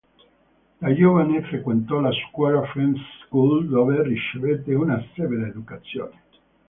Da giovane frequentò la scuola "Friends School", dove ricevette una severa educazione.